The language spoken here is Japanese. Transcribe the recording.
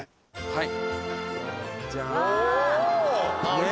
はい。